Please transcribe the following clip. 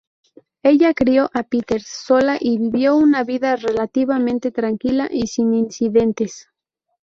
Ella crió a Peter sola y vivió una vida relativamente tranquila y sin incidentes.